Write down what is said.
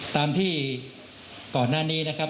ตามที่ก่อนหน้านี้นะครับ